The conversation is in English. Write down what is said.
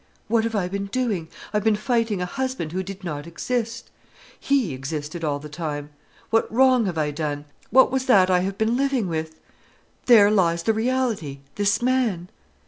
What have I been doing? I have been fighting a husband who did not exist. He existed all the time. What wrong have I done? What was that I have been living with? There lies the reality, this man."